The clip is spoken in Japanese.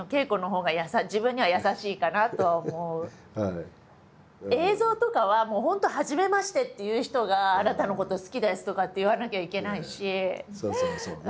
だからまあ映像とかはもう本当はじめましてっていう人が「あなたのこと好きです」とかって言わなきゃいけないし。